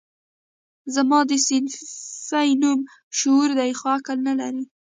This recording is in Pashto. زما ده صنفي نوم شعور دی خو عقل نه لري